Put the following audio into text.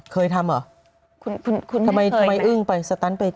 เคยทำเหรอทำไมอึ้งไปสตั้นไปคุณให้เคยไหม